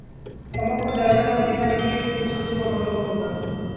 এমন কোনো জায়গা যেখানে গিয়ে কেউ খোঁচাখুঁচি বা গণ্ডগোল করবে না।